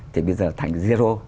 thì bây giờ thành zero